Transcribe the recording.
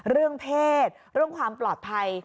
เรื่องเพศเรื่องความปลอดภัย